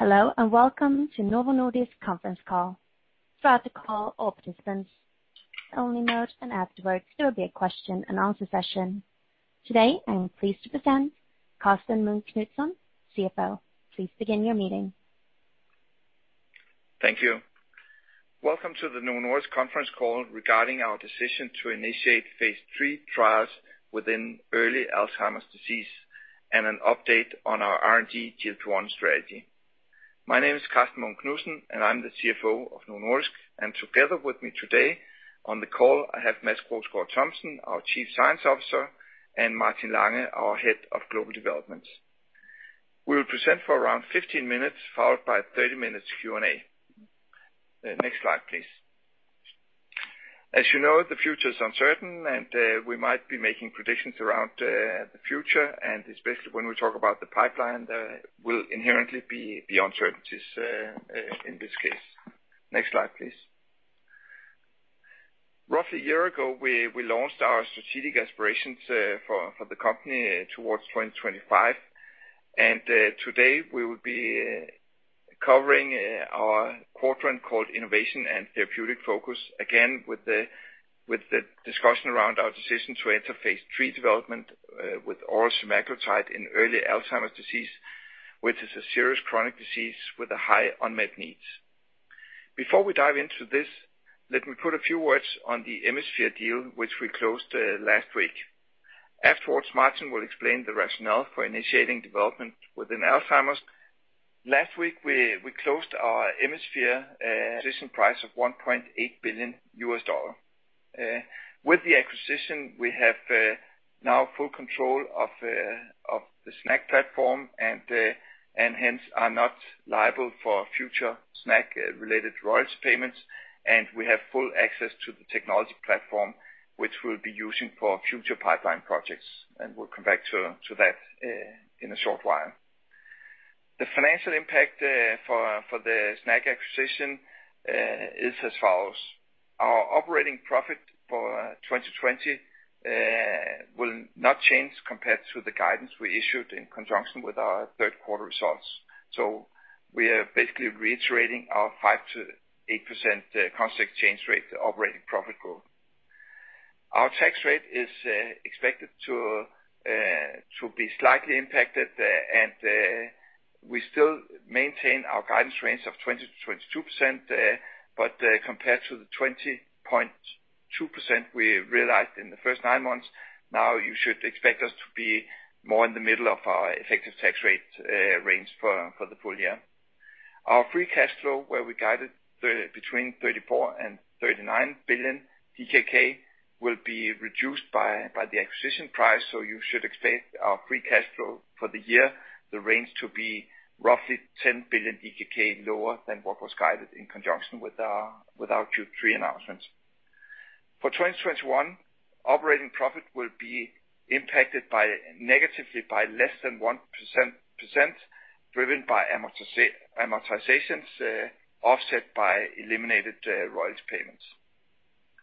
Hello, and welcome to Novo Nordisk conference call. Throughout the call, all participants only mode, and afterwards there will be a question-and-answer session. Today, I am pleased to present Karsten Munk Knudsen, CFO. Please begin your meeting. Thank you. Welcome to the Novo Nordisk conference call regarding our decision to initiate phase III trials within early Alzheimer's disease, an update on our R&D GLP-1 strategy. My name is Karsten Munk Knudsen, I'm the CFO of Novo Nordisk, together with me today on the call, I have Mads Krogsgaard Thomsen, our Chief Science Officer, and Martin Holst Lange, our Head of Global Development. We will present for around 15 minutes, followed by 30 minutes Q&A. Next slide, please. As you know, the future is uncertain, and we might be making predictions around the future. Especially when we talk about the pipeline, there will inherently be uncertainties in this case. Next slide, please. Roughly a year ago, we launched our strategic aspirations for the company towards 2025. Today we will be covering our quadrant called Innovation and Therapeutic Focus, again with the discussion around our decision to enter phase III development with oral semaglutide in early Alzheimer's disease, which is a serious chronic disease with a high unmet needs. Before we dive into this, let me put a few words on the Emisphere deal which we closed last week. Afterwards, Martin will explain the rationale for initiating development within Alzheimer's. Last week, we closed our Emisphere acquisition price of $1.8 billion. With the acquisition, we have now full control of the SNAC platform and hence are not liable for future SNAC-related rights payments. We have full access to the technology platform, which we'll be using for future pipeline projects. We'll come back to that in a short while. The financial impact for the SNAC acquisition is as follows: Our operating profit for 2020 will not change compared to the guidance we issued in conjunction with our third quarter results. We are basically reiterating our 5%-8% constant exchange rate operating profit growth. Our tax rate is expected to be slightly impacted, and we still maintain our guidance range of 20%-22%. Compared to the 20.2% we realized in the first nine months, now you should expect us to be more in the middle of our effective tax rate range for the full year. Our free cash flow, where we guided between 34 billion and 39 billion DKK, will be reduced by the acquisition price, so you should expect our free cash flow for the year, the range to be roughly 10 billion lower than what was guided in conjunction with our Q3 announcements. For 2021, operating profit will be impacted by, negatively by less than 1%, driven by amortizations, offset by eliminated royalties payments.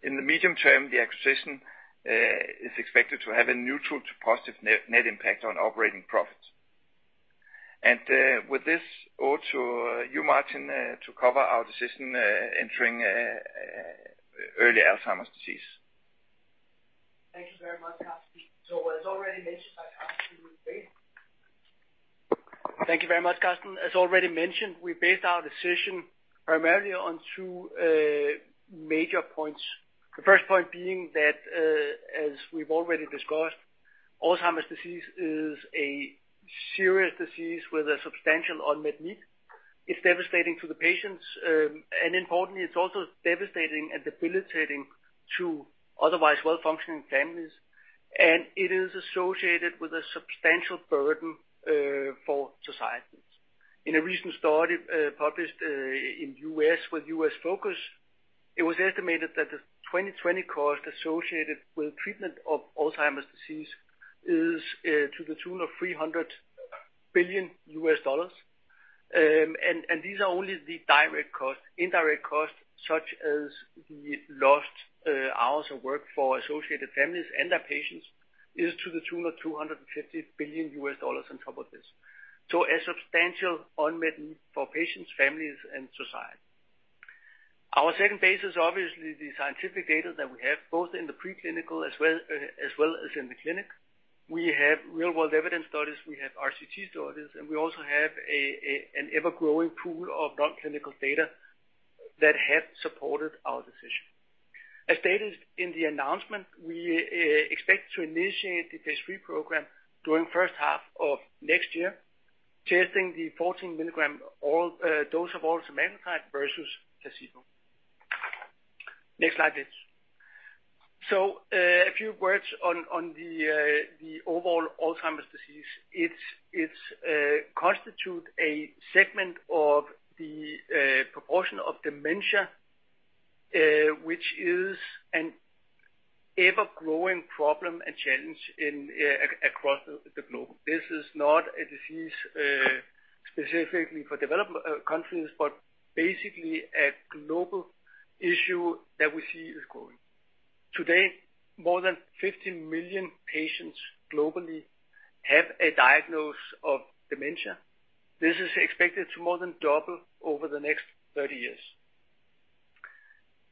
In the medium term, the acquisition is expected to have a neutral to positive net impact on operating profits. With this, over to you, Martin, to cover our decision entering early Alzheimer's disease. Thank you very much, Karsten. As already mentioned, we based our decision primarily on two major points. The first point being that, as we've already discussed, Alzheimer's disease is a serious disease with a substantial unmet need. It's devastating to the patients, and importantly, it's also devastating and debilitating to otherwise well-functioning families, and it is associated with a substantial burden for societies. In a recent study, published in U.S., with U.S. focus, it was estimated that the 2020 cost associated with treatment of Alzheimer's disease is to the tune of $300 billion. These are only the direct costs. Indirect costs such as the lost hours of work for associated families and their patients is to the tune of $250 billion on top of this. A substantial unmet need for patients, families, and society. Our second base is obviously the scientific data that we have, both in the preclinical as well as in the clinic. We have real world evidence studies, we have RCT studies, and we also have an ever-growing pool of non-clinical data that have supported our decision. As stated in the announcement, we expect to initiate the phase III program during first half of next year, testing the 14 mg oral dose of oral semaglutide versus placebo. Next slide, please. A few words on the overall Alzheimer's disease. It's constitute a segment of the proportion of dementia, which is an ever-growing problem and challenge in across the globe. This is not a disease specifically for develop countries, but basically a global issue that we see is growing. Today, more than 50 million patients globally have a diagnosis of dementia. This is expected to more than double over the next 30 years.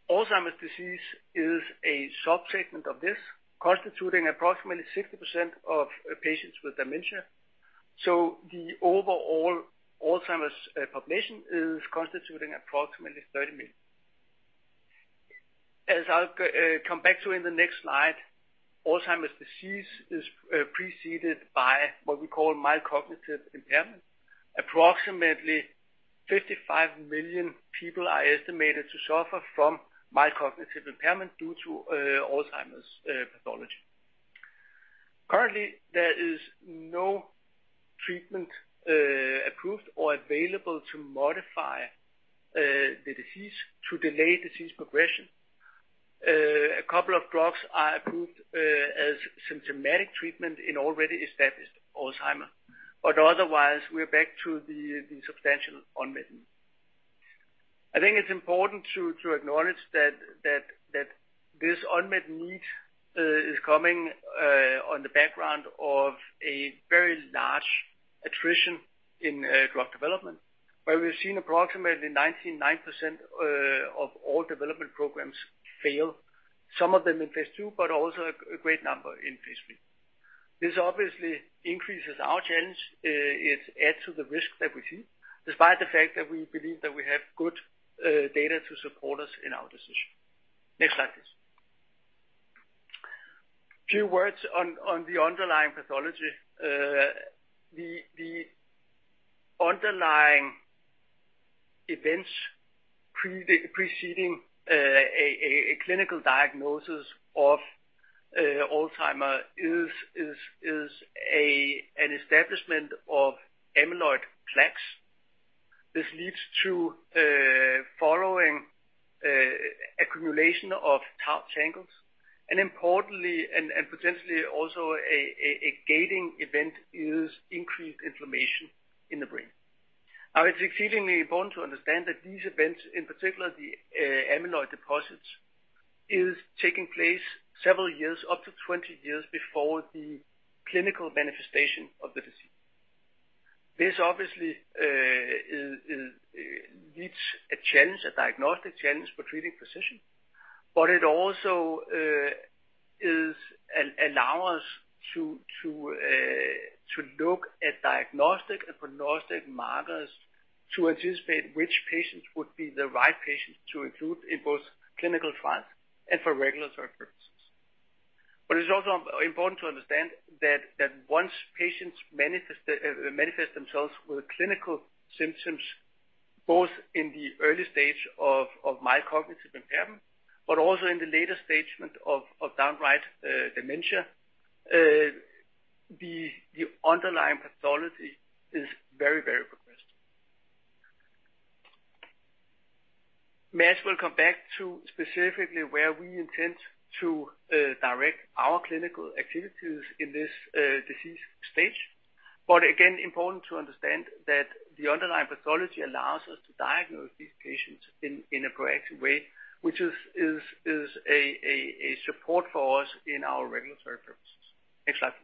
Alzheimer's disease is a subsegment of this, constituting approximately 60% of patients with dementia. The overall Alzheimer's population is constituting approximately 30 million. As I'll come back to in the next slide, Alzheimer's disease is preceded by what we call mild cognitive impairment. Approximately 55 million people are estimated to suffer from mild cognitive impairment due to Alzheimer's pathology. Currently, there is no treatment approved or available to modify the disease to delay disease progression. A couple of drugs are approved as symptomatic treatment in already established Alzheimer. Otherwise, we are back to the substantial unmet need. I think it's important to acknowledge that this unmet need is coming on the background of a very large attrition in drug development, where we've seen approximately 99% of all development programs fail. Some of them in phase II, but also a great number in phase III. This obviously increases our challenge. It adds to the risk that we see, despite the fact that we believe that we have good data to support us in our decision. Next slide, please. A few words on the underlying pathology. The underlying events preceding a clinical diagnosis of Alzheimer's disease is an establishment of amyloid plaques. This leads to following accumulation of tau tangles, and importantly and potentially also a gating event is increased inflammation in the brain. It's exceedingly important to understand that these events, in particular the amyloid deposits, is taking place several years, up to 20 years before the clinical manifestation of the disease. This obviously is leads a challenge, a diagnostic challenge for treating physician. It also allows us to look at diagnostic and prognostic markers to anticipate which patients would be the right patients to include in both clinical trials and for regulatory purposes. It's also important to understand that once patients manifest themselves with clinical symptoms, both in the early stage of mild cognitive impairment, but also in the later stage of downright dementia, the underlying pathology is very progressive. Mads will come back to specifically where we intend to direct our clinical activities in this disease stage. Again, important to understand that the underlying pathology allows us to diagnose these patients in a proactive way, which is a support for us in our regulatory purposes. Next slide,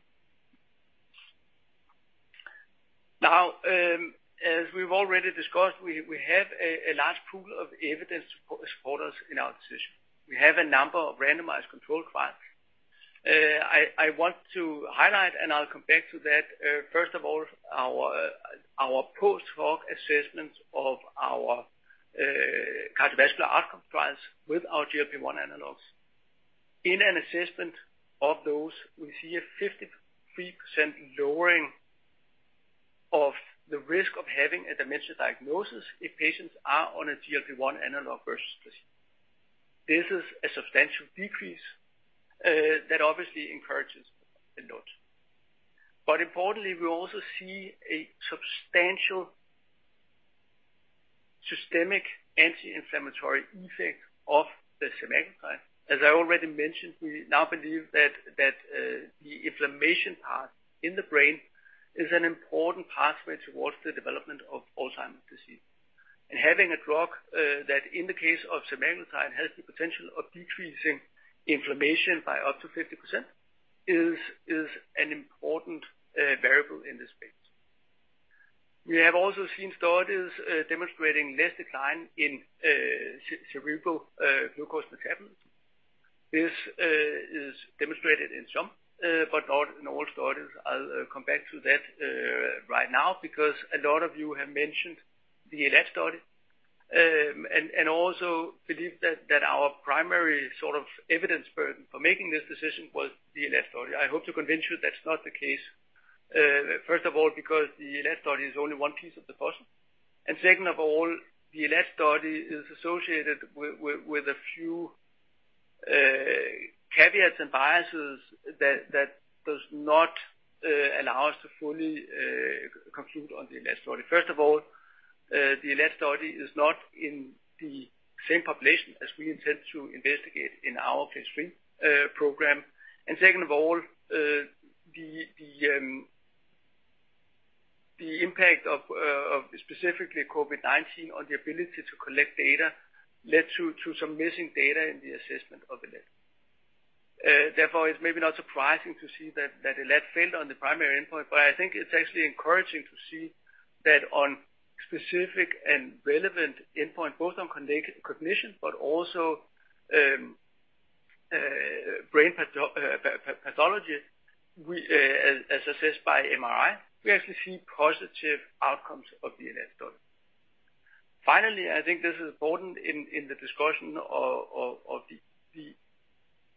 please. As we've already discussed, we have a large pool of evidence to support us in our decision. We have a number of randomized controlled trials. I want to highlight, and I'll come back to that, first of all, our post-hoc assessments of our cardiovascular outcome trials with our GLP-1 analogs. In an assessment of those, we see a 53% lowering of the risk of having a dementia diagnosis if patients are on a GLP-1 analog versus placebo. This is a substantial decrease that obviously encourages us a lot. Importantly, we also see a substantial systemic anti-inflammatory effect of the semaglutide. As I already mentioned, we now believe that the inflammation path in the brain is an important pathway towards the development of Alzheimer's disease. Having a drug that in the case of semaglutide, has the potential of decreasing inflammation by up to 50% is an important variable in this space. We have also seen studies demonstrating less decline in cerebral glucose metabolism. This is demonstrated in some, but not in all studies. I'll come back to that right now because a lot of you have mentioned the ELAD study. Also believe that our primary sort of evidence burden for making this decision was the ELAD study. I hope to convince you that's not the case. First of all, because the ELAD study is only one piece of the puzzle. Second of all, the ELAD study is associated with a few caveats and biases that does not allow us to fully conclude on the ELAD study. First of all, the ELAD study is not in the same population as we intend to investigate in our phase III program. Second of all, the impact of specifically COVID-19 on the ability to collect data led to some missing data in the assessment of ELAD. Therefore, it's maybe not surprising to see that ELAD failed on the primary endpoint, but I think it's actually encouraging to see that on specific and relevant endpoint, both on cognition but also brain pathology, we as assessed by MRI, we actually see positive outcomes of the ELAD study. Finally, I think this is important in the discussion of, of the,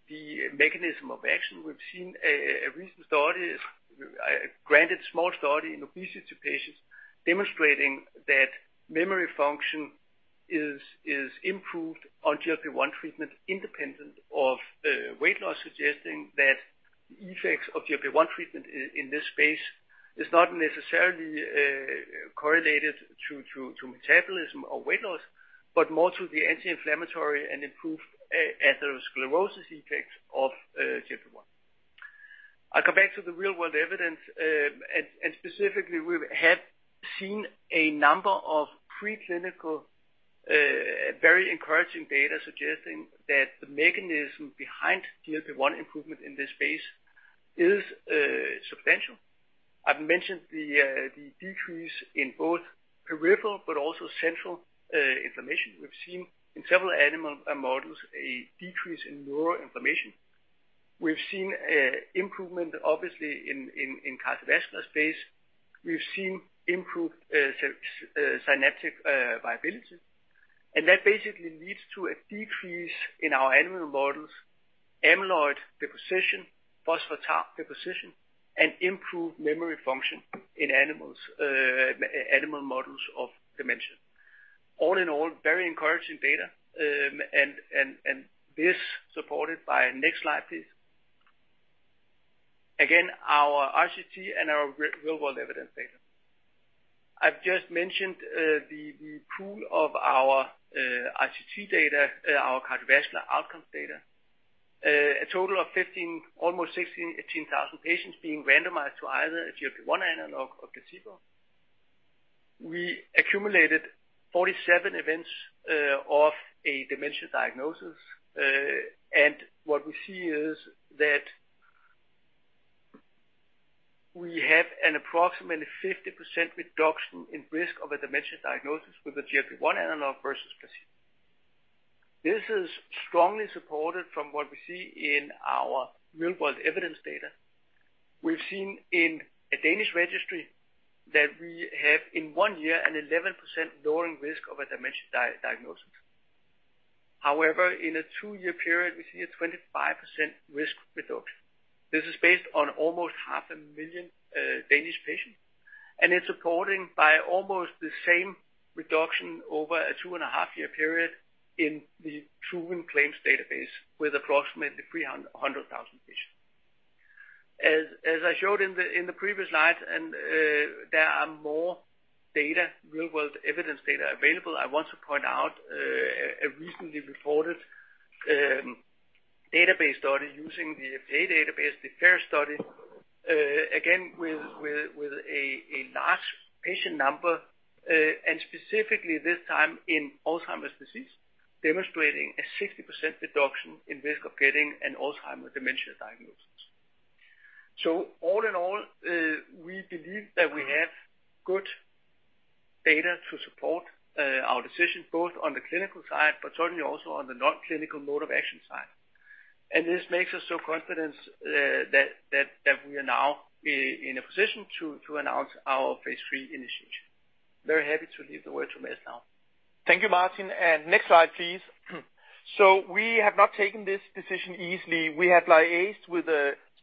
the mechanism of action. We've seen a recent study, granted small study in obesity patients demonstrating that memory function is improved on GLP-1 treatment independent of weight loss, suggesting that the effects of GLP-1 treatment in this space is not necessarily correlated to metabolism or weight loss, but more to the anti-inflammatory and improved atherosclerosis effects of GLP-1. I come back to the real world evidence. Specifically, we have seen a number of preclinical, very encouraging data suggesting that the mechanism behind GLP-1 improvement in this space is substantial. I've mentioned the decrease in both peripheral but also central inflammation. We've seen in several animal models a decrease in neural inflammation. We've seen improvement obviously in cardiovascular space. We've seen improved synaptic viability, and that basically leads to a decrease in our animal models, amyloid deposition, phospho-tau deposition, and improved memory function in animal models of dementia. All in all, very encouraging data. This supported by next slide, please. Again, our RCT and our real world evidence data. I've just mentioned the pool of our RCT data, our cardiovascular outcomes data. A total of 15, almost 16,000, 18,000 patients being randomized to either a GLP-1 analog or placebo. We accumulated 47 events of a dementia diagnosis. What we see is that we have an approximately 50% reduction in risk of a dementia diagnosis with the GLP-1 analog versus placebo. This is strongly supported from what we see in our real world evidence data. We've seen in a Danish registry that we have in one year an 11% lowering risk of a dementia diagnosis. However, in a two-year period, we see a 25% risk reduction. This is based on almost half a million Danish patients, and it's supported by almost the same reduction over a two and a half year period in the Truven Health Analytics MarketScan database with approximately 300,000 patients. As I showed in the previous slide, there are more data, real world evidence data available. I want to point out a recently reported database study using the FDA database, the FAERS study, again, with a large patient number, and specifically this time in Alzheimer's disease, demonstrating a 60% reduction in risk of getting an Alzheimer's dementia diagnosis. All in all, we believe that we have good data to support our decision, both on the clinical side, but certainly also on the non-clinical mode of action side. This makes us so confident that we are now in a position to announce our phase III initiation. Very happy to leave the word to Mads now. Thank you, Martin. Next slide, please. We have not taken this decision easily. We have liaised with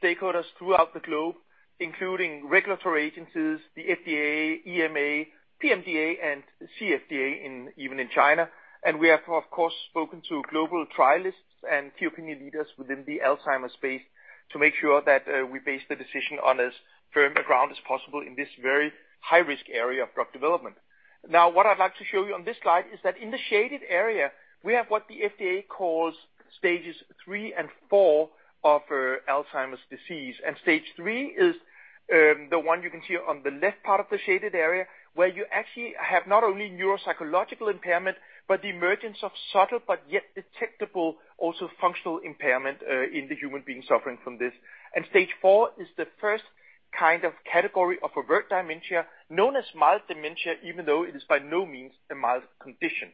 stakeholders throughout the globe, including regulatory agencies, the FDA, EMA, PMDA, and CFDA in, even in China. We have of course, spoken to global trialists and key opinion leaders within the Alzheimer's space to make sure that we base the decision on as firm a ground as possible in this very high-risk area of drug development. What I'd like to show you on this slide is that in the shaded area, we have what the FDA calls Stages 3 and 4 of Alzheimer's disease. Stage 3 is the one you can see on the left part of the shaded area, where you actually have not only neuropsychological impairment, but the emergence of subtle, but yet detectable, also functional impairment in the human being suffering from this. Stage 4 is the first kind of category of overt dementia known as mild dementia, even though it is by no means a mild condition.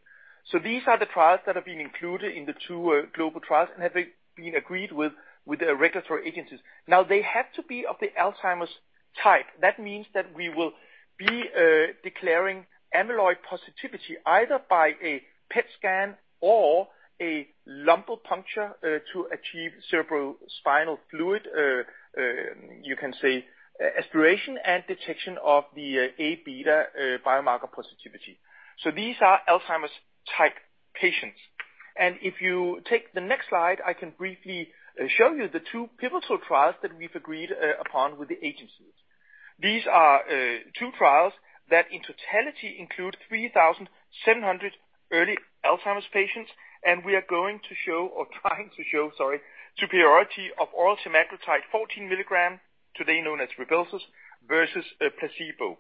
These are the trials that have been included in the two global trials and have been agreed with the regulatory agencies. They have to be of the Alzheimer's type. That means that we will be declaring amyloid positivity either by a PET scan or a lumbar puncture to achieve cerebrospinal fluid, you can say, aspiration and detection of the Aβ biomarker positivity. These are Alzheimer's type patients. If you take the next slide, I can briefly show you the two pivotal trials that we've agreed upon with the agencies. These are two trials that in totality include 3,700 early Alzheimer's patients, and we are going to show or trying to show, sorry, superiority of oral semaglutide 14 mg, today known as RYBELSUS, versus placebo.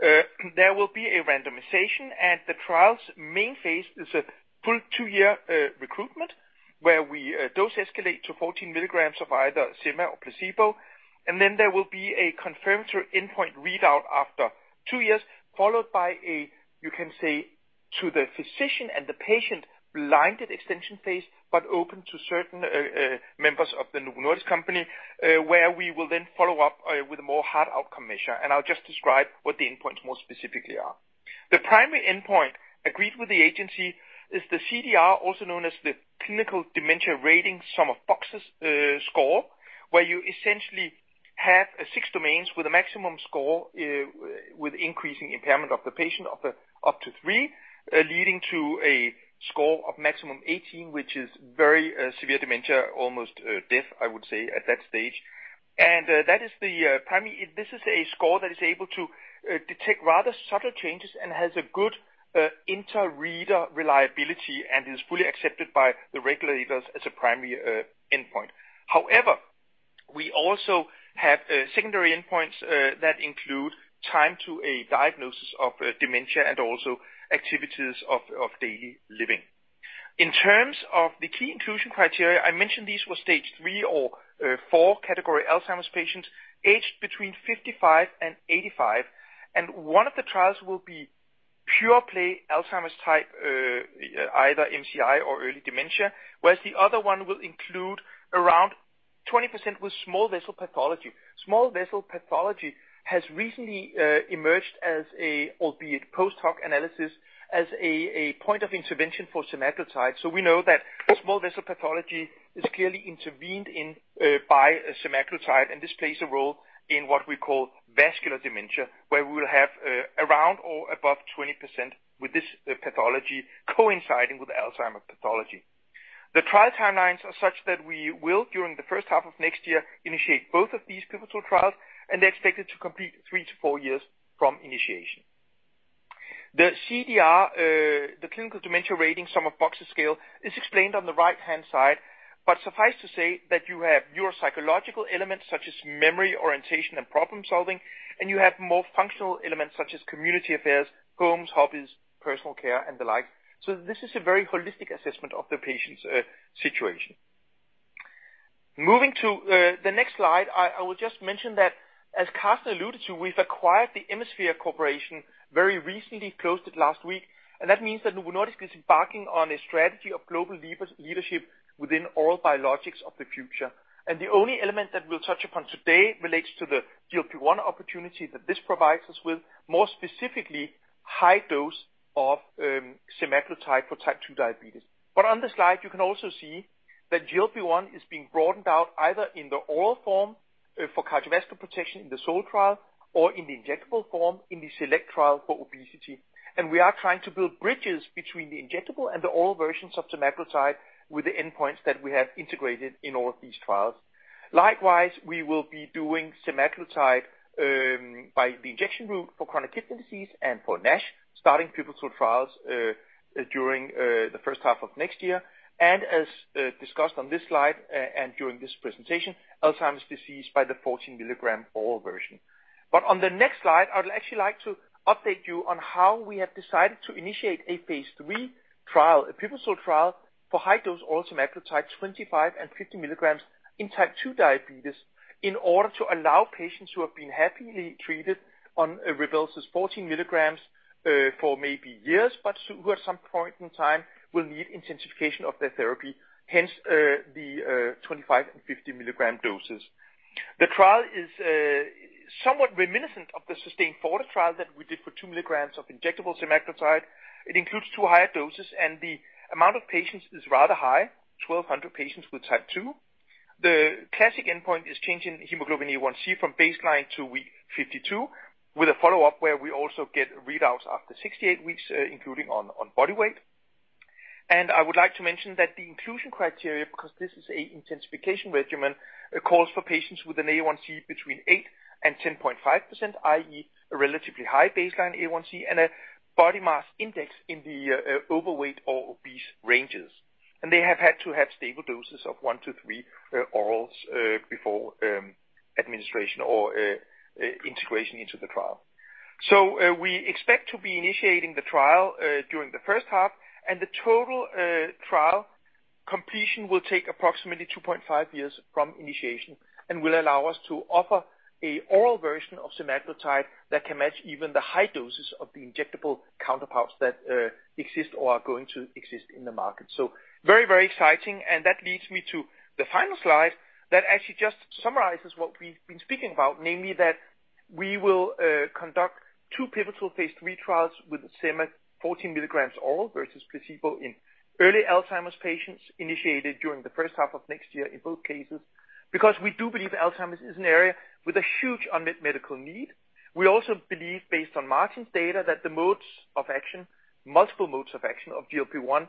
There will be a randomization, and the trial's main phase is a full two-year recruitment where we dose escalate to 14 mg of either semaglutide or placebo. Then there will be a confirmatory endpoint readout after two years, followed by a, you can say, to the physician and the patient, blinded extension phase, but open to certain members of Novo Nordisk, where we will then follow up with a more hard outcome measure. I'll just describe what the endpoints more specifically are. The primary endpoint agreed with the agency is the CDR, also known as the Clinical Dementia Rating Sum of Boxes score, where you essentially have six domains with a maximum score, with increasing impairment of the patient up to three, leading to a score of maximum 18, which is very severe dementia, almost death, I would say, at that stage. This is a score that is able to detect rather subtle changes and has a good inter-reader reliability and is fully accepted by the regulators as a primary endpoint. However, we also have secondary endpoints that include time to a diagnosis of dementia and also activities of daily living. In terms of the key inclusion criteria, I mentioned these were Stage 3 or 4 category Alzheimer's patients aged between 55 and 85, and one of the trials will be pure play Alzheimer's type, either MCI or early dementia, whereas the other one will include around 20% with small vessel pathology. Small vessel pathology has recently emerged as a, albeit post-hoc analysis, as a point of intervention for semaglutide. We know that small vessel pathology is clearly intervened in by semaglutide, and this plays a role in what we call vascular dementia, where we will have around or above 20% with this pathology coinciding with Alzheimer pathology. The trial timelines are such that we will, during the first half of next year, initiate both of these pivotal trials, and they're expected to complete three to four years from initiation. The CDR, the Clinical Dementia Rating Sum of Boxes scale is explained on the right-hand side. Suffice to say that you have your psychological elements such as memory, orientation, and problem-solving, and you have more functional elements such as community affairs, homes, hobbies, personal care, and the like. This is a very holistic assessment of the patient's situation. Moving to the next slide, I will just mention that as Karsten alluded to, we've acquired the Emisphere Technologies, Inc. very recently, closed it last week, that means that Novo Nordisk is embarking on a strategy of global leadership within oral biologics of the future. The only element that we'll touch upon today relates to the GLP-1 opportunity that this provides us with, more specifically, high dose of semaglutide for type 2 diabetes. On the slide, you can also see that GLP-1 is being broadened out either in the oral form for cardiovascular protection in the SOUL trial or in the injectable form in the SELECT trial for obesity. We are trying to build bridges between the injectable and the oral versions of semaglutide with the endpoints that we have integrated in all of these trials. Likewise, we will be doing semaglutide by the injection route for chronic kidney disease and for NASH, starting pivotal trials during the first half of next year. As discussed on this slide and during this presentation, Alzheimer's disease by the 14 mg oral version. On the next slide, I would actually like to update you on how we have decided to initiate a phase III trial, a pivotal trial, for high-dose oral semaglutide 25 mg and 50 mg in type 2 diabetes in order to allow patients who have been happily treated on RYBELSUS 14 mg for maybe years, but who at some point in time will need intensification of their therapy, hence, the 25 mg and 50 mg doses. The trial is somewhat reminiscent of the SUSTAIN FORTE trial that we did for 2 mg of injectable semaglutide. It includes two higher doses, the amount of patients is rather high, 1,200 patients with type 2. The classic endpoint is change in hemoglobin A1c from baseline to week 52, with a follow-up where we also get readouts after 68 weeks, including on body weight. I would like to mention that the inclusion criteria, because this is an intensification regimen, calls for patients with an A1c between 8% and 10.5%, i.e., a relatively high baseline A1c and a body mass index in the overweight or obese ranges. They have had to have stable doses of one to three orals before administration or integration into the trial. We expect to be initiating the trial during the first half, and the total trial completion will take approximately 2.5 years from initiation and will allow us to offer a oral version of semaglutide that can match even the high doses of the injectable counterparts that exist or are going to exist in the market. Very, very exciting. That leads me to the final slide that actually just summarizes what we've been speaking about, namely that. We will conduct two pivotal phase III trials with sema 14 mg oral versus placebo in early Alzheimer's patients initiated during the first half of next year in both cases, because we do believe Alzheimer's is an area with a huge unmet medical need. We also believe, based on Martin's data, that the modes of action, multiple modes of action of GLP-1,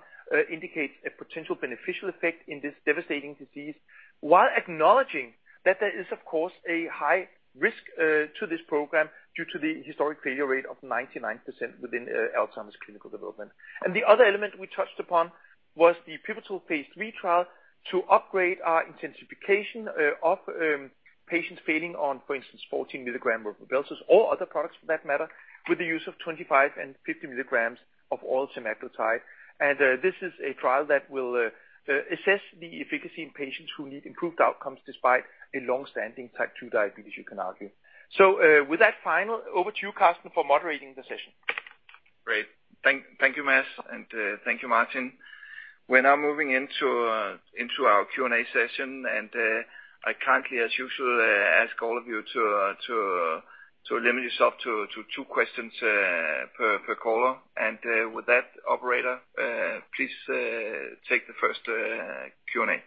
indicates a potential beneficial effect in this devastating disease while acknowledging that there is, of course, a high risk to this program due to the historic failure rate of 99% within Alzheimer's clinical development. The other element we touched upon was the pivotal phase III trial to upgrade our intensification of patients failing on, for instance, 14 mg of RYBELSUS or other products for that matter, with the use of 25 mg and 50 mg of oral semaglutide. This is a trial that will assess the efficacy in patients who need improved outcomes despite a long-standing type 2 diabetes, you can argue. With that final, over to you, Karsten, for moderating the session. Great. Thank you, Mads, and thank you, Martin. We're now moving into our Q&A session. I kindly, as usual, ask all of you to limit yourself to two questions per caller. With that, operator, please take the first Q&A.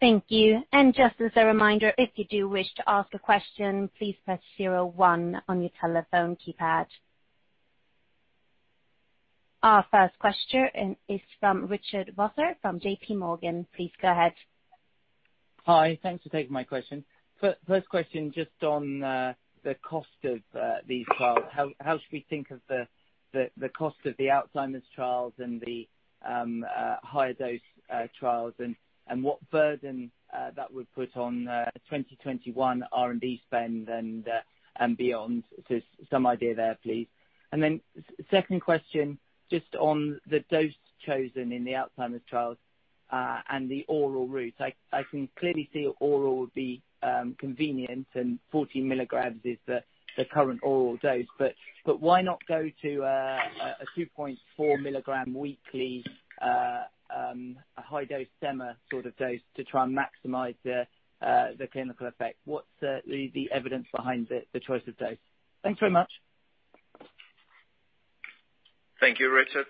Thank you. Just as a reminder, if you do wish to ask a question, please press zero one on your telephone keypad. Our first question is from Richard Vosser from JPMorgan. Please go ahead. Hi. Thanks for taking my question. First question, just on the cost of these trials. How should we think of the cost of the Alzheimer's trials and the high dose trials and what burden that would put on 2021 R&D spend and beyond? Just some idea there, please. Second question, just on the dose chosen in the Alzheimer's trials and the oral route. I can clearly see oral would be convenient, and 14 mg is the current oral dose. Why not go to a 2.4 mg weekly high-dose semaglutide sort of dose to try and maximize the clinical effect? What's the evidence behind the choice of dose? Thanks very much. Thank you, Richard.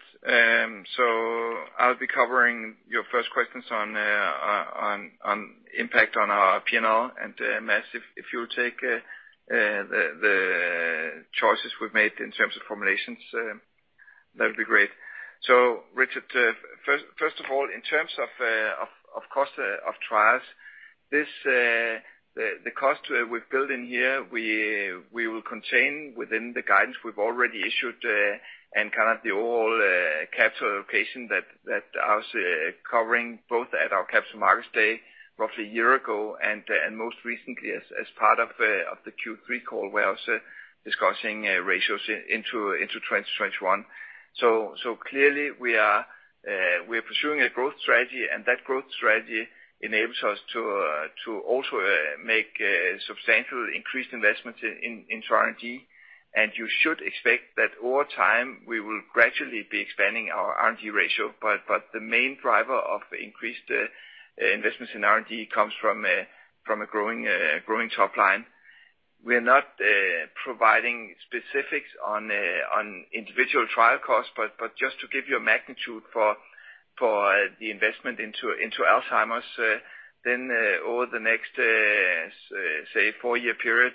I'll be covering your first questions on impact on our P&L. Mads, if you take the choices we've made in terms of formulations, that would be great. Richard, first of all, in terms of cost of trials, this the cost we've built in here, we will contain within the guidance we've already issued, kind of the overall capital allocation that I was covering both at our Capital Markets Day roughly a year ago and most recently as part of the Q3 call where I was discussing ratios into 2021. Clearly we are pursuing a growth strategy, and that growth strategy enables us to also make substantial increased investments in R&D. You should expect that over time, we will gradually be expanding our R&D ratio. The main driver of increased investments in R&D comes from a growing top line. We are not providing specifics on individual trial costs, but just to give you a magnitude for the investment into Alzheimer's, then over the next say, four-year period,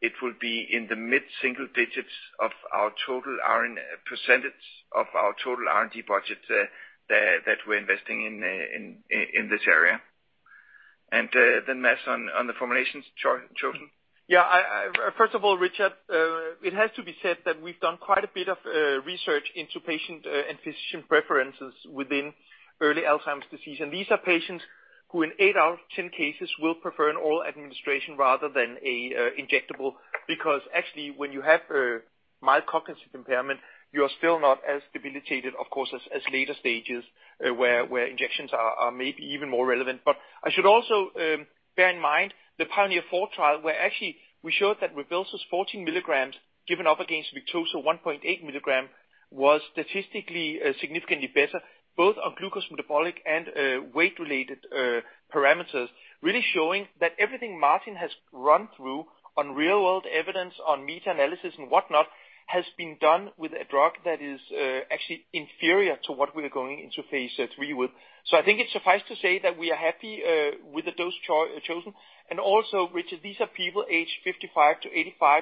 it will be in the mid-single digits of our total R&D, percentage of our total R&D budget that we're investing in this area. Mads on the formulations chosen. Yeah. First of all, Richard, it has to be said that we've done quite a bit of research into patient and physician preferences within early Alzheimer's disease. These are patients who in 8 out of 10 cases will prefer an oral administration rather than an injectable, because actually, when you have mild cognitive impairment, you are still not as debilitated, of course, as later stages, where injections are maybe even more relevant. I should also bear in mind the PIONEER 4 trial, where actually we showed that RYBELSUS 14 mg given up against Victoza 1.8 mg was statistically significantly better, both on glucose metabolic and weight-related parameters, really showing that everything Martin has run through on real-world evidence, on meta-analysis and whatnot, has been done with a drug that is actually inferior to what we are going into phase III with. I think it's suffice to say that we are happy with the dose chosen. Also, Richard, these are people aged 55-85.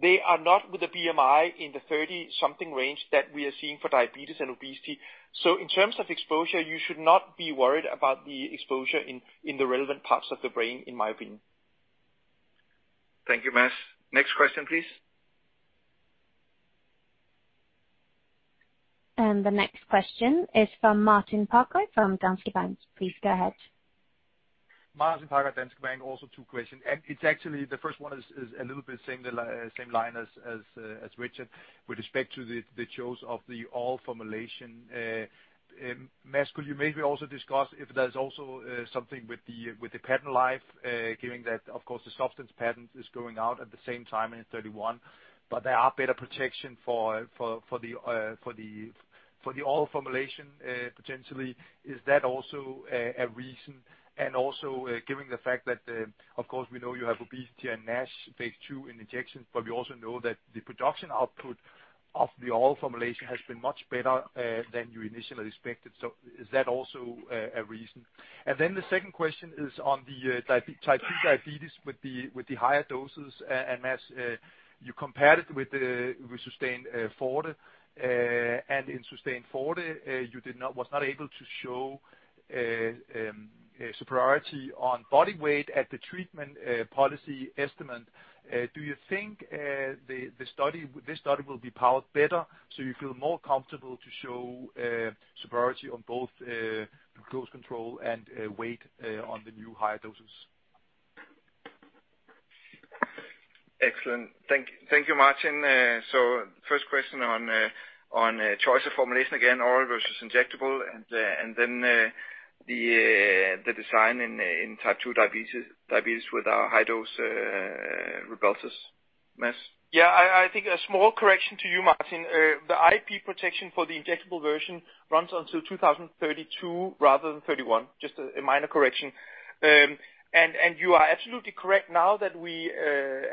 They are not with a BMI in the 30-something range that we are seeing for diabetes and obesity. In terms of exposure, you should not be worried about the exposure in the relevant parts of the brain, in my opinion. Thank you, Mads. Next question, please. The next question is from Martin Parkhøi, from Danske Bank. Please go ahead. Martin Parkhøi, Danske Bank, also two questions. It's actually the first one is a little bit same line as Richard with respect to the choice of the oral formulation. Mads, could you maybe also discuss if there's also something with the patent life, given that of course the substance patent is going out at the same time in 2031, but there are better protection for the oral formulation potentially. Is that also a reason? Also, given the fact that of course we know you have obesity and NASH phase II in injections, but we also know that the production output of the oral formulation has been much better than you initially expected. Is that also a reason? The second question is on the type 2 diabetes with the higher doses. Mads, you compared it with SUSTAIN FORTE. In SUSTAIN FORTE, you was not able to show a superiority on body weight at the treatment policy estimate. Do you think the study, this study will be powered better so you feel more comfortable to show superiority on both glucose control and weight on the new higher doses? Excellent. Thank you, Martin. First question on choice of formulation again, oral versus injectable, and then the design in type 2 diabetes with our high dose RYBELSUS. Mads? I think a small correction to you, Martin. The IP protection for the injectable version runs until 2032 rather than 2031. Just a minor correction. You are absolutely correct now that we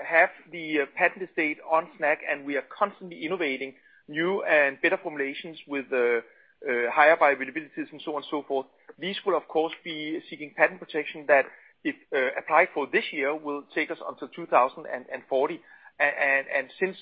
have the patent estate on SNAC, and we are constantly innovating new and better formulations with higher bioavailabilities and so on and so forth. These will of course be seeking patent protection that if applied for this year will take us until 2040. Since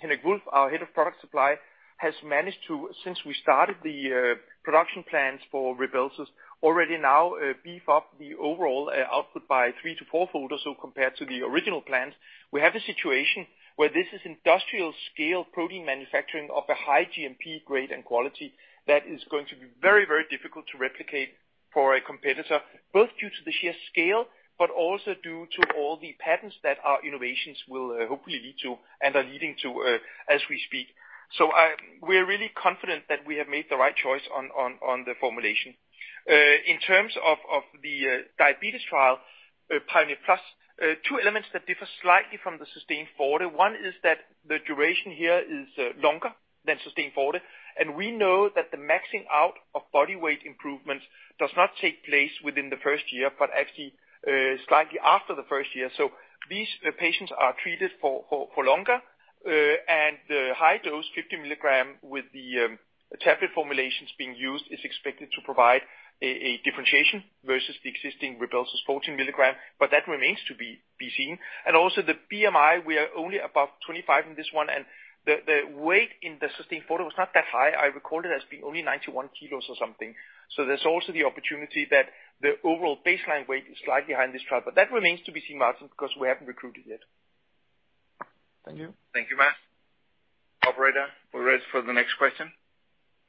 Henrik Wulff, our Head of Product Supply, has managed to, since we started the production plans for RYBELSUS already now, beef up the overall output by three to four-fold or so compared to the original plans. We have a situation where this is industrial scale protein manufacturing of a high GMP grade and quality that is going to be very, very difficult to replicate for a competitor, both due to the sheer scale, but also due to all the patents that our innovations will hopefully lead to and are leading to as we speak. We're really confident that we have made the right choice on the formulation. In terms of the diabetes trial, PIONEER Plus, two elements that differ slightly from the SUSTAIN FORTE. One is that the duration here is longer than SUSTAIN FORTE, and we know that the maxing out of body weight improvements does not take place within the first year, but actually slightly after the first year. These patients are treated for longer. The high dose 50 mg with the tablet formulations being used is expected to provide a differentiation versus the existing RYBELSUS 14 mg, but that remains to be seen. Also the BMI, we are only above 25 in this one, and the weight in the SUSTAIN FORTE was not that high. I recall it as being only 91 kilos or something. There's also the opportunity that the overall baseline weight is slightly higher in this trial, but that remains to be seen, Martin, because we haven't recruited yet. Thank you. Thank you, Mads. Operator, we're ready for the next question.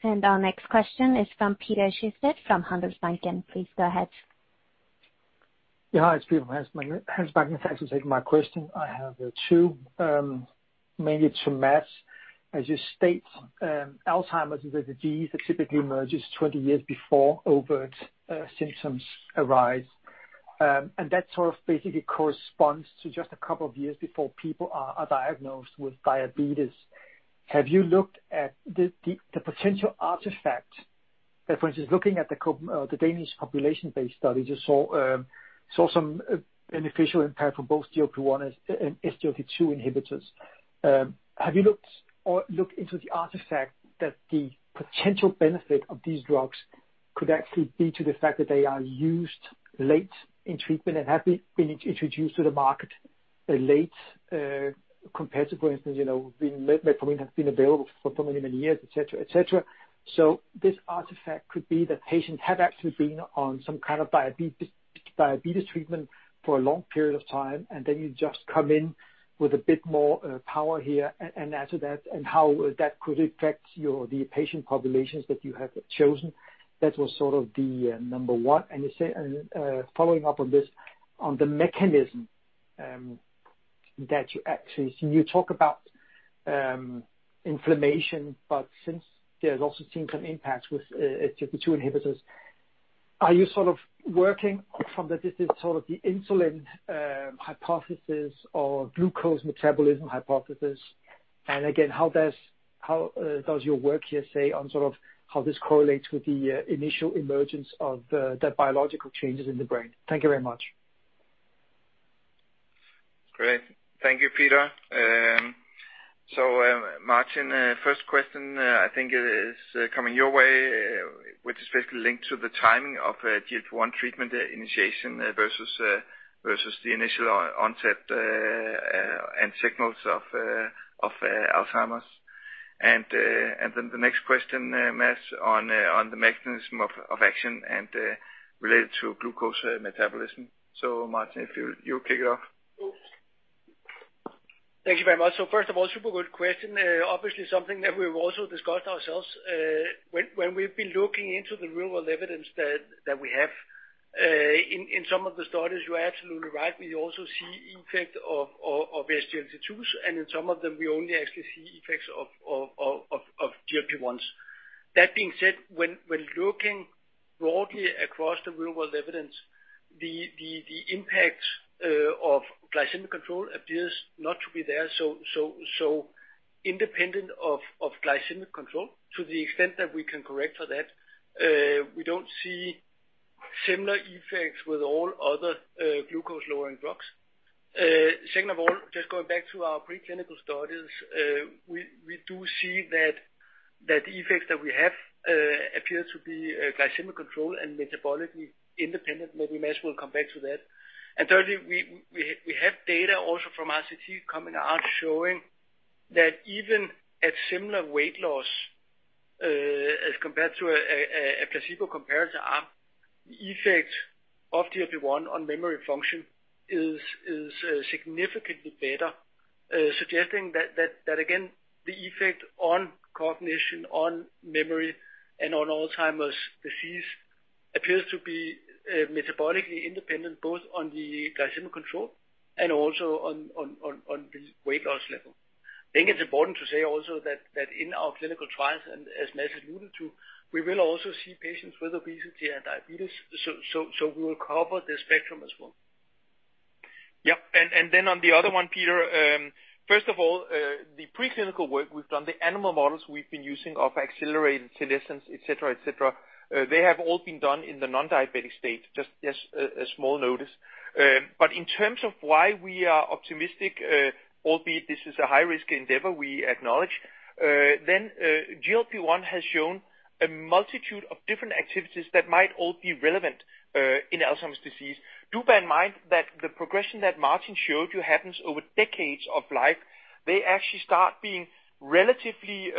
Our next question is from Peter Sehested from Handelsbanken. Please go ahead. Yeah. Hi, it's Peter from Handelsbanken. Thanks for taking my question. I have two, mainly to Mads. As you state, Alzheimer's is a disease that typically emerges 20 years before overt symptoms arise. That sort of basically corresponds to just a couple of years before people are diagnosed with diabetes. Have you looked at the potential artifact that, for instance, looking at the Danish population-based study just saw some beneficial impact for both GLP-1 as, and SGLT-2 inhibitors. Have you looked or looked into the artifact that the potential benefit of these drugs could actually be to the fact that they are used late in treatment and have been introduced to the market late compared to, for instance, you know, metformin has been available for many, many years, et cetera, et cetera. This artifact could be that patients have actually been on some kind of diabetes treatment for a long period of time, and then you just come in with a bit more power here and after that, and how that could affect your, the patient populations that you have chosen. That was sort of the number one. Following up on this, on the mechanism, that you actually talk about inflammation, but since there's also seen some impacts with SGLT-2 inhibitors, are you sort of working from that this is sort of the insulin hypothesis or glucose metabolism hypothesis? Again, how does your work here say on sort of how this correlates with the initial emergence of the biological changes in the brain? Thank you very much. Great. Thank you, Peter. Martin, first question, I think is coming your way, which is basically linked to the timing of GLP-1 treatment initiation versus the initial onset and signals of Alzheimer's. The next question, Mads on the mechanism of action and related to glucose metabolism. Martin, if you'll kick it off. Thank you very much. First of all, super good question. Obviously something that we've also discussed ourselves, when we've been looking into the real-world evidence that we have in some of the studies, you're absolutely right. We also see effect of SGLT-2s, and in some of them, we only actually see effects of GLP-1s. That being said, when looking broadly across the real-world evidence, the impact of glycemic control appears not to be there. Independent of glycemic control to the extent that we can correct for that, we don't see similar effects with all other glucose-lowering drugs. Second of all, just going back to our preclinical studies, we do see that the effects that we have appear to be glycemic control and metabolically independent. Maybe Mads will come back to that. Thirdly, we have data also from RCT coming out showing that even at similar weight loss, as compared to a placebo compared to our effect of GLP-1 on memory function is significantly better, suggesting that again, the effect on cognition, on memory, and on Alzheimer's disease appears to be metabolically independent, both on the glycemic control and also on the weight loss level. I think it's important to say also that in our clinical trials and as Mads alluded to, we will also see patients with obesity and diabetes. We will cover the spectrum as well. Yeah. Then on the other one, Peter, first of all, the preclinical work we've done, the animal models we've been using of accelerated senescence, et cetera, et cetera, they have all been done in the non-diabetic state, just a small notice. In terms of why we are optimistic, albeit this is a high-risk endeavor, we acknowledge, GLP-1 has shown a multitude of different activities that might all be relevant in Alzheimer's disease. Do bear in mind that the progression that Martin showed you happens over decades of life. They actually start being relatively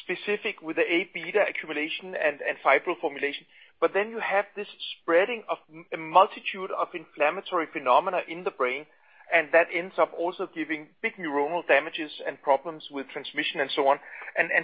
specific with the Aβ accumulation and fibril formulation. You have this spreading of a multitude of inflammatory phenomena in the brain, and that ends up also giving big neuronal damages and problems with transmission and so on.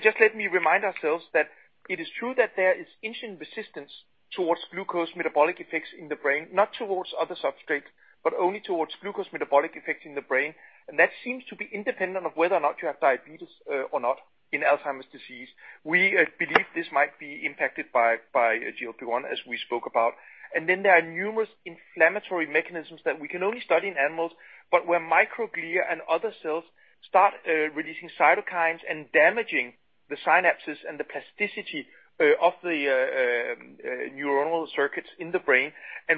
Just let me remind ourselves that it is true that there is insulin resistance towards glucose metabolic effects in the brain, not towards other substrates, but only towards glucose metabolic effects in the brain. That seems to be independent of whether or not you have diabetes or not in Alzheimer's disease. We believe this might be impacted by GLP-1, as we spoke about. There are numerous inflammatory mechanisms that we can only study in animals, but where microglia and other cells start releasing cytokines and damaging the synapses and the plasticity of the neuronal circuits in the brain.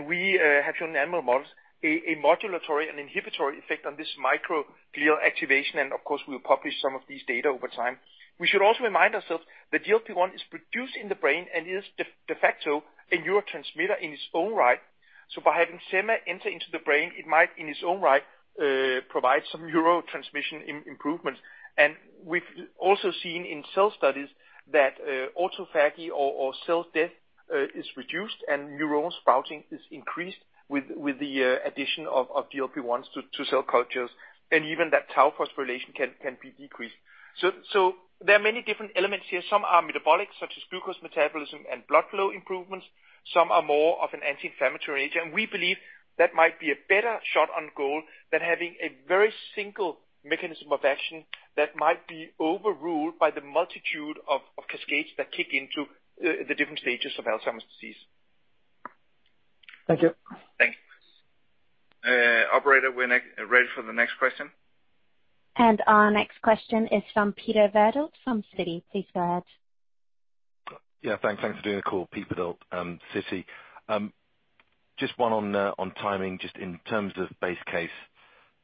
We have shown animal models a modulatory and inhibitory effect on this microglial activation, and of course, we'll publish some of these data over time. We should also remind ourselves that GLP-1 is produced in the brain and is de facto a neurotransmitter in its own right. By having semaglutide enter into the brain, it might, in its own right, provide some neurotransmission improvements. We've also seen in cell studies that autophagy or cell death is reduced and neuron sprouting is increased with the addition of GLP-1s to cell cultures, and even that tau phosphorylation can be decreased. There are many different elements here. Some are metabolic, such as glucose metabolism and blood flow improvements. Some are more of an anti-inflammatory agent. We believe that might be a better shot on goal than having a very single mechanism of action that might be overruled by the multitude of cascades that kick into the different stages of Alzheimer's disease. Thank you. Thanks. Operator, we're ready for the next question. Our next question is from Peter Verdult from Citi. Please go ahead. Yeah, thanks. Thanks for doing the call, Peter Verdult, Citi. Just one on timing, just in terms of base case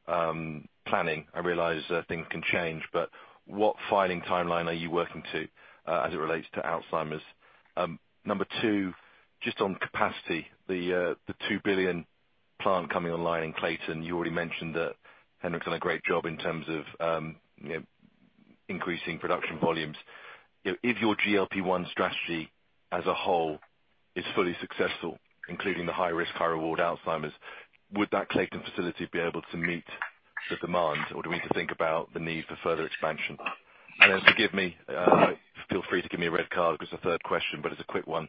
planning. I realize that things can change, but what filing timeline are you working to, as it relates to Alzheimer's? Number two, just on capacity, the 2 billion plant coming online in Clayton, you already mentioned that Henrik's done a great job in terms of, you know, increasing production volumes. You know, if your GLP-1 strategy as a whole is fully successful, including the high risk, high reward Alzheimer's, would that Clayton facility be able to meet the demand, or do we need to think about the need for further expansion? Forgive me, feel free to give me a red card 'cause the third question, but it's a quick one.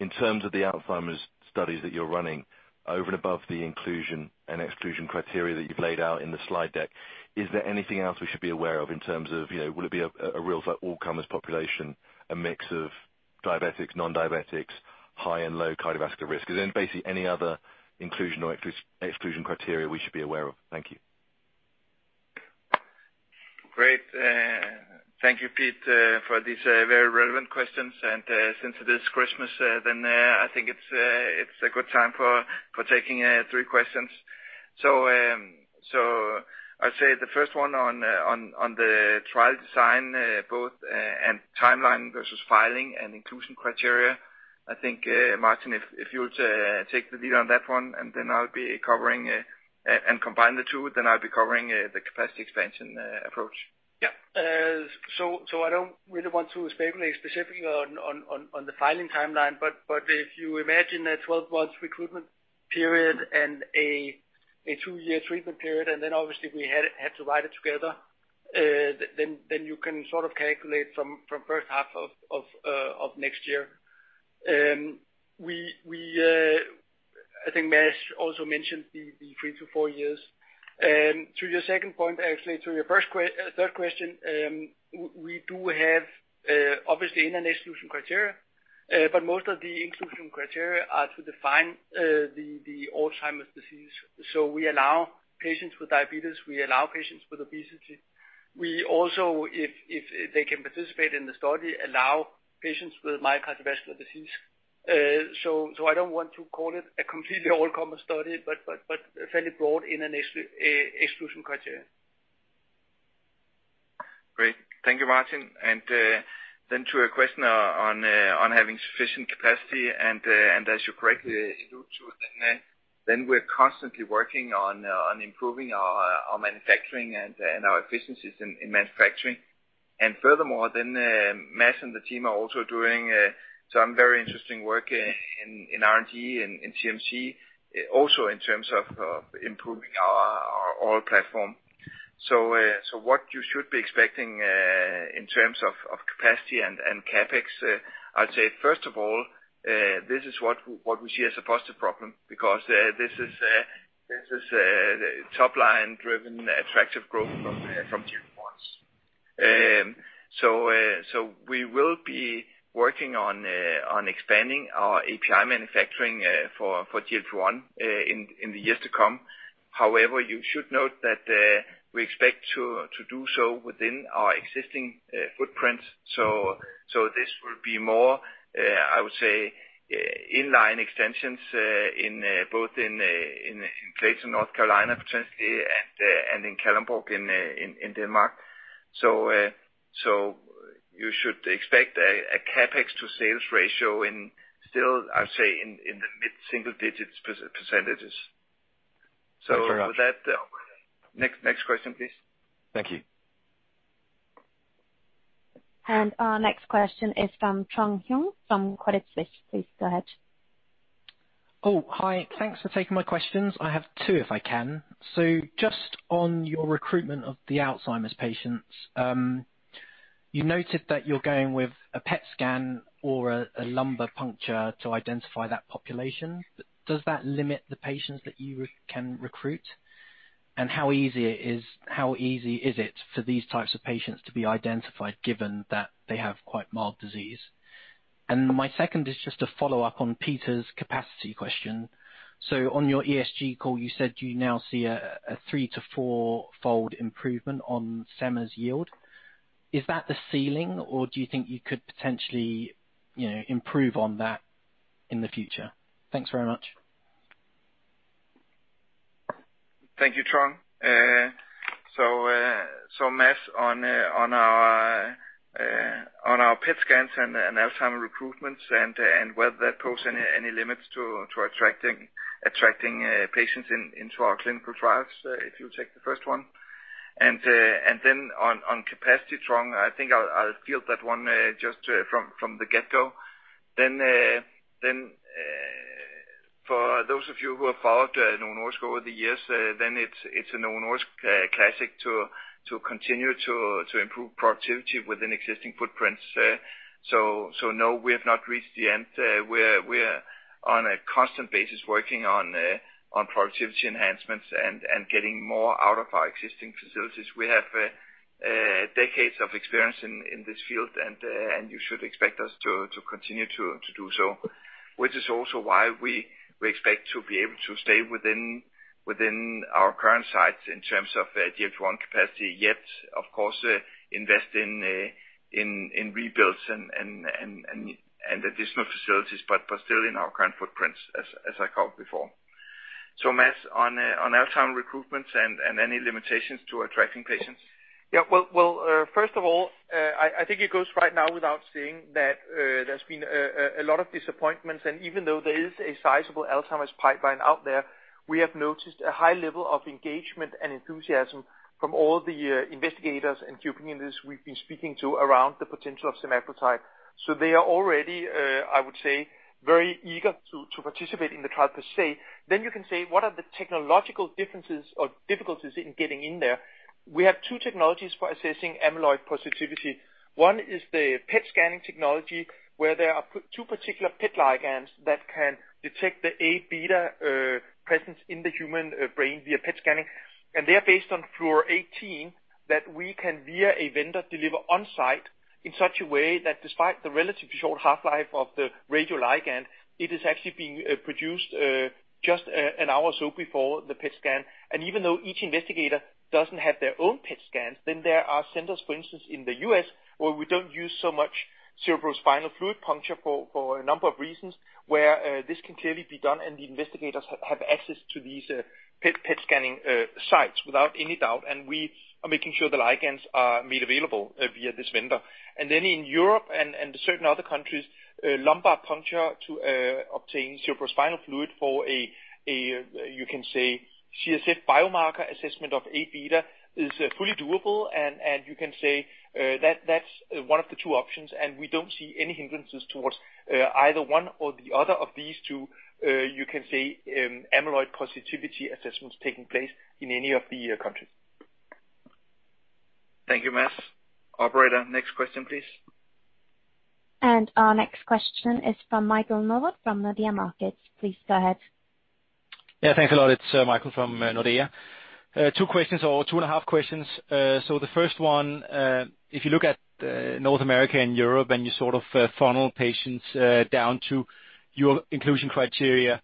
In terms of the Alzheimer's studies that you're running over and above the inclusion and exclusion criteria that you've laid out in the slide deck, is there anything else we should be aware of in terms of, you know, will it be a real all-comers population, a mix of diabetics, non-diabetics, high and low cardiovascular risk? Is there basically any other inclusion or exclusion criteria we should be aware of? Thank you. Great. Thank you, Peter, for these very relevant questions. Since it is Christmas, I think it's a good time for taking three questions. I'll say the first one on the trial design, both and timeline versus filing and inclusion criteria. I think, Martin, if you would take the lead on that one, and I'll be covering, and combine the two, I'll be covering the capacity expansion approach. I don't really want to speculate specifically on the filing timeline, but if you imagine a 12-month recruitment period and a two-year treatment period, and obviously we had to write it together, you can sort of calculate from first half of next year. We, I think Mads also mentioned the three to four years. To your second point, actually to your first third question, we do have obviously in an exclusion criteria, but most of the inclusion criteria are to define the Alzheimer's disease. We allow patients with diabetes, we allow patients with obesity. We also, if they can participate in the study, allow patients with cardiovascular disease. I don't want to call it a completely all-comer study, but fairly broad in an exclusion criteria. Thank you, Martin. Then to a question on having sufficient capacity and as you correctly allude to, then we're constantly working on improving our manufacturing and our efficiencies in manufacturing. Furthermore, then, Mads and the team are also doing some very interesting work in R&D and in CMC also in terms of improving our, our platform. What you should be expecting in terms of capacity and CapEx, I'd say first of all, this is what we see as a positive problem because this is top-line driven attractive growth from GLP-1s. We will be working on expanding our API manufacturing for GLP-1 in the years to come. However, you should note that we expect to do so within our existing footprints. This will be more, I would say, in-line extensions in both in Clayton, North Carolina, potentially, and in Kalundborg in Denmark. You should expect a CapEx to sales ratio in still, I'd say, in the mid-single digits percentages. With that, next question, please. Thank you. Our next question is from Trung Huynh from Credit Suisse. Please go ahead. Hi. Thanks for taking my questions. I have two, if I can. Just on your recruitment of the Alzheimer's patients, you noted that you're going with a PET scan or a lumbar puncture to identify that population. Does that limit the patients that you can recruit? How easy is it for these types of patients to be identified given that they have quite mild disease? My second is just a follow-up on Peter's capacity question. On your ESG call, you said you now see a three- to four-fold improvement on semaglutide's yield. Is that the ceiling, or do you think you could potentially, you know, improve on that in the future? Thanks very much. Thank you, Trung. Mads, on our PET scans and Alzheimer's recruitments and whether that pose any limits to attracting patients into our clinical trials, if you take the first one. On capacity, Trung, I think I'll field that one just from the get-go. For those of you who have followed Novo Nordisk over the years, it's a Novo Nordisk classic to continue to improve productivity within existing footprints. No, we have not reached the end. We're on a constant basis working on productivity enhancements and getting more out of our existing facilities. We have decades of experience in this field, and you should expect us to continue to do so, which is also why we expect to be able to stay within our current sites in terms of GLP-1 capacity, yet of course, invest in rebuilds and additional facilities, but still in our current footprints, as I called before. Mads, on Alzheimer's recruitments and any limitations to attracting patients. First of all, I think it goes right now without saying that there's been a lot of disappointments. Even though there is a sizable Alzheimer's pipeline out there, we have noticed a high level of engagement and enthusiasm from all the investigators and key opinion leaders we've been speaking to around the potential of semaglutide. They are already, I would say, very eager to participate in the trial per se. You can say, what are the technological differences or difficulties in getting in there? We have two technologies for assessing amyloid positivity. One is the PET scanning technology, where there are two particular PET ligands that can detect the Aβ presence in the human brain via PET scanning. They are based on Fluorine-18 that we can, via a vendor, deliver on-site in such a way that despite the relatively short half-life of the radioligand, it is actually being produced just an hour or so before the PET scan. Even though each investigator doesn't have their own PET scans, then there are centers, for instance, in the U.S., where we don't use so much cerebrospinal fluid puncture for a number of reasons, where this can clearly be done and the investigators have access to these PET scanning sites without any doubt. We are making sure the ligands are made available via this vendor. Then in Europe and certain other countries, lumbar puncture to obtain cerebrospinal fluid for a, you can say CSF biomarker assessment of Aβ is fully doable. You can say that's one of the two options, and we don't see any hindrances towards either one or the other of these two, you can say, amyloid positivity assessments taking place in any of the countries. Thank you, Mads. Operator, next question, please. Our next question is from Michael Novod from Nordea Markets. Please go ahead. Yeah, thanks a lot. It's Michael from Nordea Markets. Two questions or two and a half questions. The first one, if you look at North America and Europe, and you sort of funnel patients down to your inclusion criteria,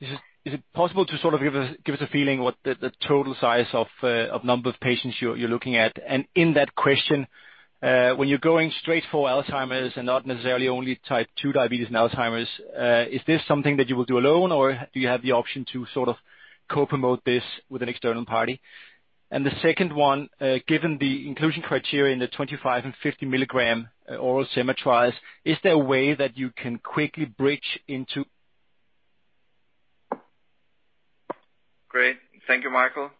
is it possible to sort of give us a feeling what the total size of number of patients you're looking at? In that question, when you're going straight for Alzheimer's and not necessarily only type 2 diabetes and Alzheimer's, is this something that you will do alone, or do you have the option to sort of co-promote this with an external party? The second one, given the inclusion criteria in the 25 mg and 50 mg oral semaglutides, is there a way that you can quickly bridge into. Great. Thank you, Michael.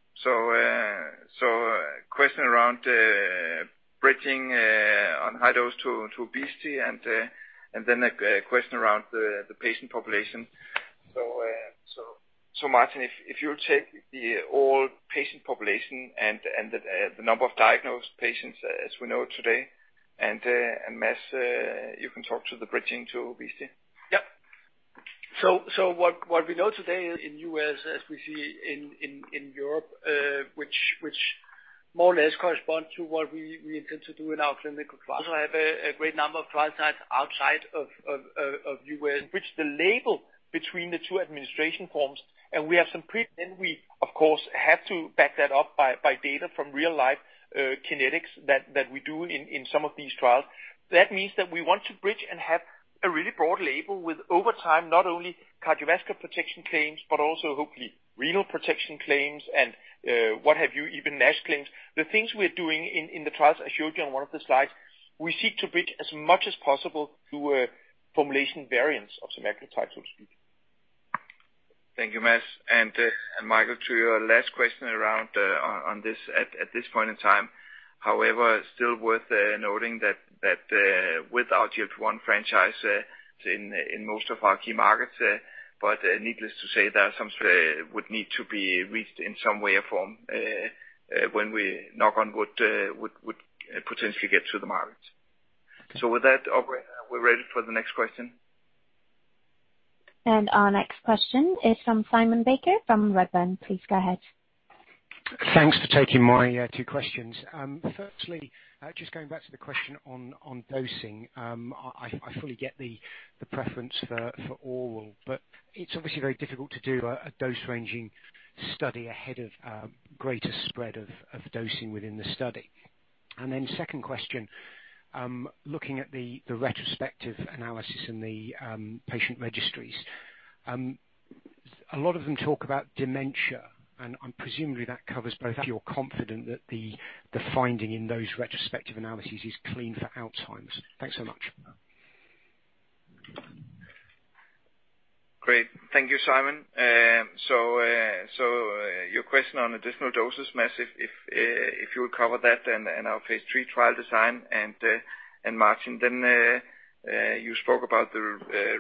Question around bridging on high dose to obesity and then a question around the patient population. Martin, if you take the all patient population and the number of diagnosed patients as we know today, and Mads, you can talk to the bridging to obesity. Yeah. What we know today in the U.S. as we see in Europe, which more or less correspond to what we intend to do in our clinical trial. Also have a great number of trial sites outside of the U.S. which the label between the two administration forms. We of course have to back that up by data from real life kinetics that we do in some of these trials. That means that we want to bridge and have a really broad label with over time not only cardiovascular protection claims, but also hopefully renal protection claims and what have you, even NASH claims. The things we are doing in the trials I showed you on one of the slides, we seek to bridge as much as possible through a formulation variance of semaglutide, so to speak. Thank you, Mads. Michael, to your last question around on this at this point in time, however, still worth noting that with our GLP-1 franchise in most of our key markets, but needless to say there are some would need to be reached in some way or form when we knock on wood would potentially get to the market. With that, we're ready for the next question. Our next question is from Simon Baker from Redburn. Please go ahead. Thanks for taking my two questions. Firstly, just going back to the question on dosing. I fully get the preference for oral, but it's obviously very difficult to do a dose-ranging study ahead of greater spread of dosing within the study. Second question, looking at the retrospective analysis in the patient registries, a lot of them talk about dementia, and presumably that covers both. Are you confident that the finding in those retrospective analyses is clean for Alzheimer's? Thanks so much. Great. Thank you, Simon. Your question on additional doses, Mads, if you will cover that and our phase III trial design, and Martin, then, you spoke about the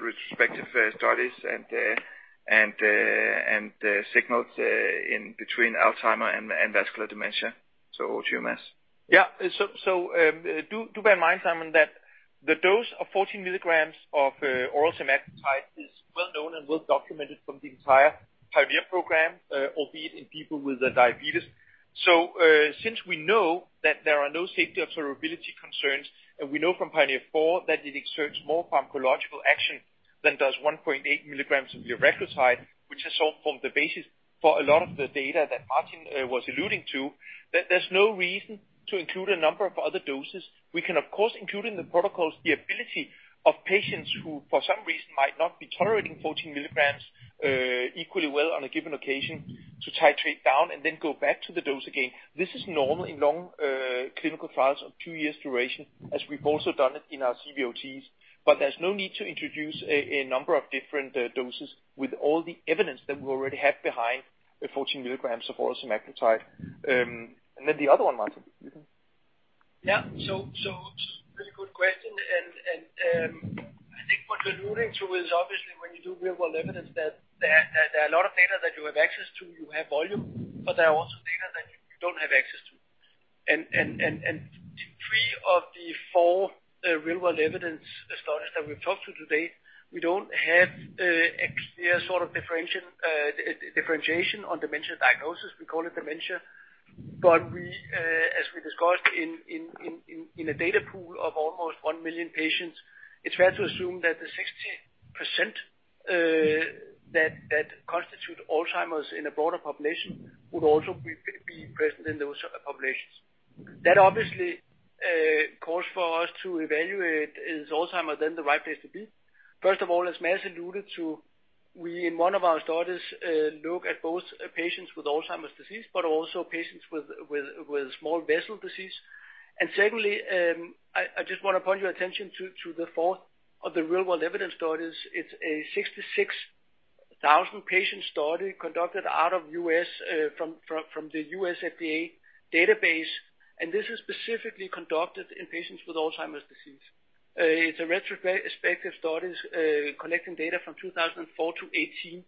retrospective studies and the signals in between Alzheimer's disease and vascular dementia. Over to you, Mads. Yeah. Do bear in mind, Simon, that the dose of 14 mg of oral semaglutide is well known and well documented from the entire PIONEER program, albeit in people with diabetes. Since we know that there are no safety or tolerability concerns, and we know from PIONEER 4 that it exerts more pharmacological action than does 1.8 mg of liraglutide, which has all formed the basis for a lot of the data that Martin was alluding to, there's no reason to include a number of other doses. We can, of course, include in the protocols the ability of patients who, for some reason, might not be tolerating 14 mg equally well on a given occasion to titrate down and then go back to the dose again. This is normal in long clinical trials of two years duration, as we've also done it in our CVOTs. There's no need to introduce a number of different doses with all the evidence that we already have behind the 14 mg of oral semaglutide. The other one, Martin. Two really good questions. I think what you're alluding to is obviously when you do real world evidence that there are a lot of data that you have access to, you have volume, but there are also data that you don't have access to. Three of the four real world evidence studies that we've talked to today, we don't have a clear sort of differentiation on dementia diagnosis. We call it dementia. As we discussed in a data pool of almost 1 million patients, it's fair to assume that the 60% that constitute Alzheimer's disease in a broader population would also be present in those populations. That obviously calls for us to evaluate, is Alzheimer's disease then the right place to be? First of all, as Mads alluded to, we in one of our studies, look at both patients with Alzheimer's disease, but also patients with small vessel disease. Secondly, I just wanna point your attention to the fourth of the real world evidence studies. It's a 66,000 patient study conducted out of U.S., from the U.S. FDA database, and this is specifically conducted in patients with Alzheimer's disease. It's a retrospective studies, collecting data from 2004 to 2018.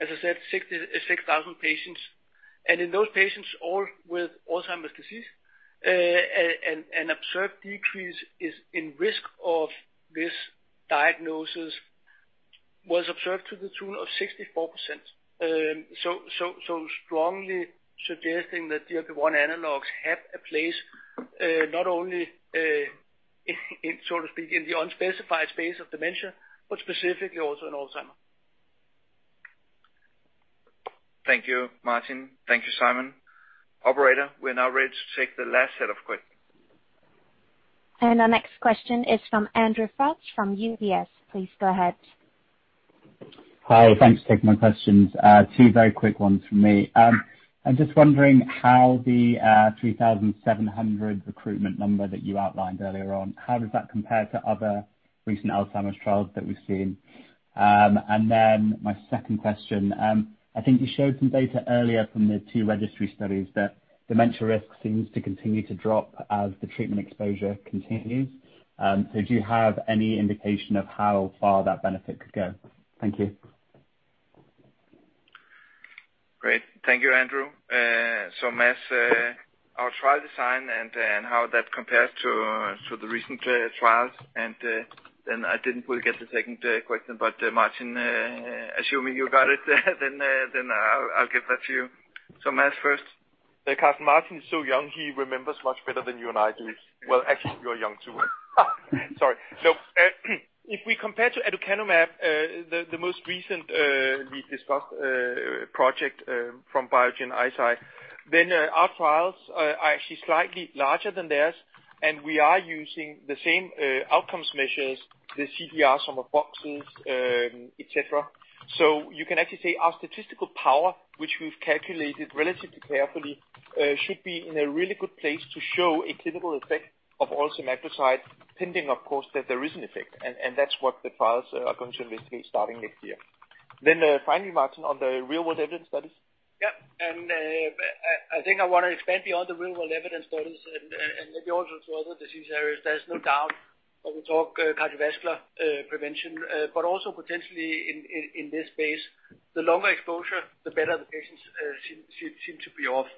As I said, 66,000 patients, and in those patients, all with Alzheimer's disease, and observed decrease is in risk of this diagnosis was observed to the tune of 64%. strongly suggesting that GLP-1 analogs have a place, not only, in, so to speak, in the unspecified space of dementia, but specifically also in Alzheimer's. Thank you, Martin. Thank you, Simon. Operator, we are now ready to take the last set of questions. Our next question is from Andrew Kauth from UBS. Please go ahead. Hi. Thanks for taking my questions. two very quick ones from me. I'm just wondering how the 3,700 recruitment number that you outlined earlier on, how does that compare to other recent Alzheimer's disease trials that we've seen? Then my second question, I think you showed some data earlier from the two registry studies that dementia risk seems to continue to drop as the treatment exposure continues. Do you have any indication of how far that benefit could go? Thank you. Great. Thank you, Andrew. Mads, our trial design and how that compares to the recent, trials. Then I didn't really get the second, question, but, Martin, assuming you got it, then I'll give that to you. Mads first. Because Martin is so young, he remembers much better than you and I do. Well, actually, you're young too. Sorry. No, if we compare to aducanumab, the most recent, we discussed, project from Biogen Eisai, then our trials are actually slightly larger than theirs, and we are using the same outcomes measures, the CDR sum of boxes, et cetera. You can actually say our statistical power, which we've calculated relatively carefully, should be in a really good place to show a clinical effect of oral semaglutide, pending, of course, that there is an effect. That's what the trials are going to investigate starting next year. Finally, Martin, on the real world evidence studies. Yeah. I think I wanna expand beyond the real world evidence studies and maybe also to other disease areas. There's no doubt when we talk cardiovascular prevention, but also potentially in this space, the longer exposure, the better the patients seem to be off.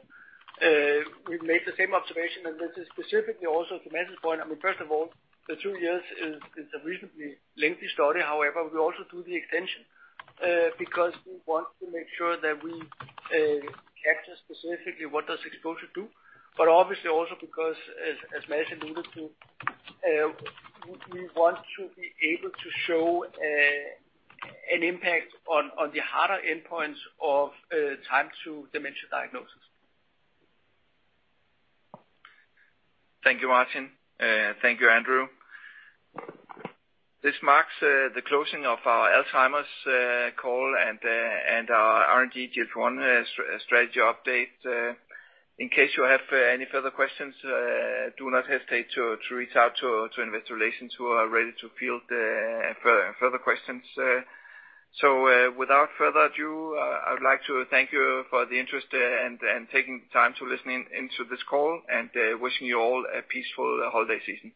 We've made the same observation, and this is specifically also to Mads' point. I mean, first of all, the two years is a reasonably lengthy study. However, we also do the extension because we want to make sure that we capture specifically what does exposure do. Obviously also because, as Mads alluded to, we want to be able to show an impact on the harder endpoints of time to dementia diagnosis. Thank you, Martin. Thank you, Andrew. This marks the closing of our Alzheimer's call and our R&D GLP-1 strategy update. In case you have any further questions, do not hesitate to reach out to Investor Relations who are ready to field further questions. Without further ado, I would like to thank you for the interest and taking the time to listening into this call, and wishing you all a peaceful holiday season.